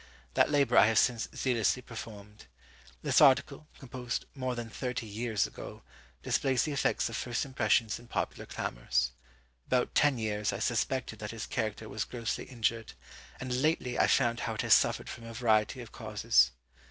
That labour I have since zealously performed. This article, composed more than thirty years ago, displays the effects of first impressions and popular clamours. About ten years I suspected that his character was grossly injured, and lately I found how it has suffered from a variety of causes.